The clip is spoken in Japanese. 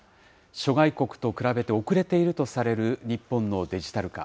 諸外国と比べて遅れているとされる日本のデジタル化。